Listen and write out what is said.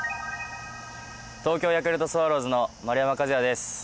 東京ヤクルトスワローズの丸山和郁です。